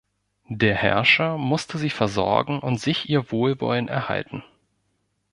Der Herrscher musste sie versorgen und sich ihr Wohlwollen erhalten.